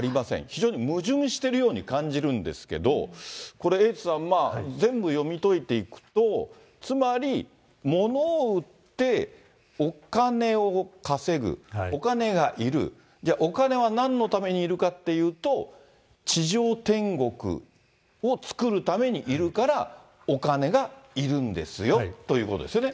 非常に矛盾しているように感じるんですけど、これエイトさん、全部読み解いていくと、つまり、物を売ってお金を稼ぐ、お金がいる、じゃあ、お金がなんのためにいるかっていうと、地上天国を作るためにいるから、お金がいるんですよということですよね。